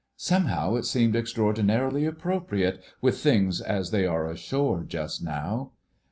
"Somehow, it seemed extraordinarily appropriate, with things as they are ashore just now."